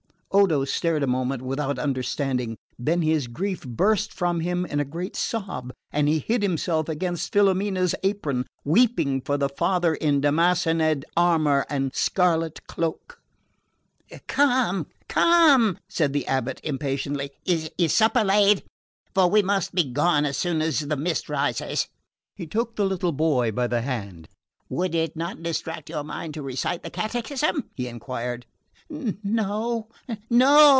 Odo stared a moment without understanding; then his grief burst from him in a great sob, and he hid himself against Filomena's apron, weeping for the father in damascened armour and scarlet cloak. "Come, come," said the abate impatiently. "Is supper laid? for we must be gone as soon as the mist rises." He took the little boy by the hand. "Would it not distract your mind to recite the catechism?" he inquired. "No, no!"